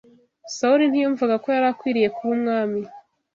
Sawuli ntiyumvaga ko yari akwiriye kuba umwami